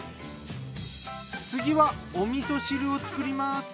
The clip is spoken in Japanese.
次はお味噌汁を作ります！